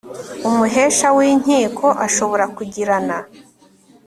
umuhesha w inkiko ashobora kugirana